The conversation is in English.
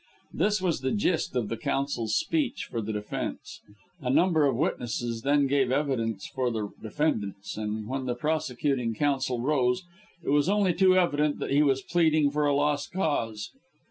This was the gist of counsel's speech for the defence. A number of witnesses then gave evidence for the defendants; and when the prosecuting counsel rose, it was only too evident that he was pleading for a lost cause.